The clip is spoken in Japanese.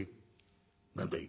「何だい？